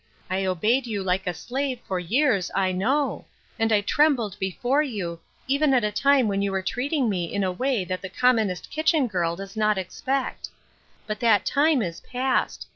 I obeyed you like a slave, for years, I know ; and trembled before you, even at a time when you were treating me in a way that the commonest kitchen girl does not ex pect. But that time is past.